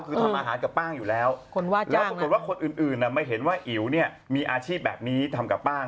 คนว่าจ้างนะครับแล้วถ้าคนอื่นไม่เห็นว่าอิ๋วเนี่ยมีอาชีพแบบนี้ทำกับป้าง